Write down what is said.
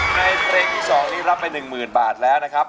ร้องได้ครับในเครงที่๒รับไป๑๐๐๐๐บาทแล้วนะครับ